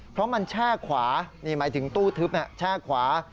เพราะมันแช่ขวานี่หมายถึงตู้ทึบแช่ขวา